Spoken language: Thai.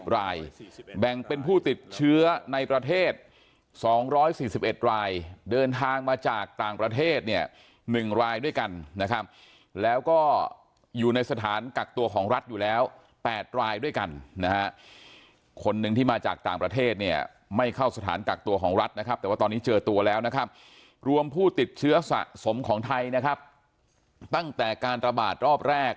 รายแบ่งเป็นผู้ติดเชื้อในประเทศ๒๔๑รายเดินทางมาจากต่างประเทศเนี่ย๑รายด้วยกันนะครับแล้วก็อยู่ในสถานกักตัวของรัฐอยู่แล้ว๘รายด้วยกันนะฮะคนหนึ่งที่มาจากต่างประเทศเนี่ยไม่เข้าสถานกักตัวของรัฐนะครับแต่ว่าตอนนี้เจอตัวแล้วนะครับรวมผู้ติดเชื้อสะสมของไทยนะครับตั้งแต่การระบาดรอบแรก